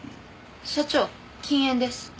社長禁煙です。